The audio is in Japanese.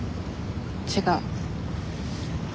違う。